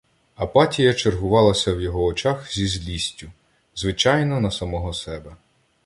Апатія чергувалася в його очах зі злістю — звичайно, на самого себе.